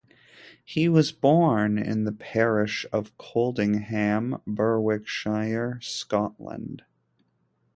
He was born in the parish of Coldingham, Berwickshire, Scotland.